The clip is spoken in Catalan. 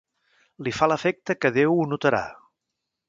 Li fa l'efecte que Déu ho notarà.